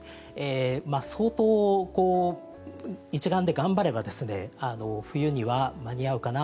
相当一丸で頑張ればですね冬には間に合うかな？